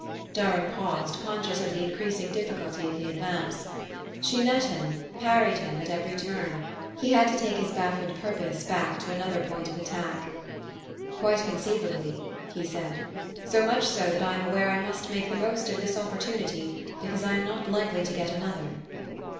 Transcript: Durham paused, conscious of the increasing difficulty of the advance. She met him, parried him, at every turn: he had to take his baffled purpose back to another point of attack. "Quite conceivably," he said: "so much so that I am aware I must make the most of this opportunity, because I am not likely to get another."